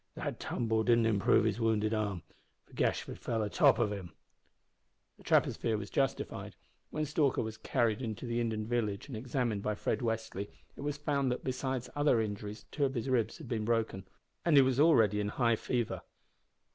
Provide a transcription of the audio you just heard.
"That tumble didn't improve his wounded arm, for Gashford fell atop of him." The trapper's fear was justified. When Stalker was carried into the Indian village and examined by Fred Westly, it was found that, besides other injuries, two of his ribs had been broken, and he was already in high fever.